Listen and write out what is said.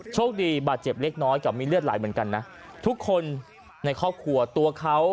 โชคดีบาดเจ็บเล็กน้อยกับมีเลือดไหลเหมือนกันนะทุกคนในครอบครัวตัวเขา